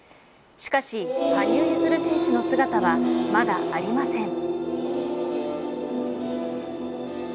しかし、羽生結弦選手の姿はまだありません。